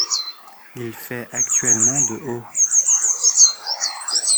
Il fait actuellement de haut.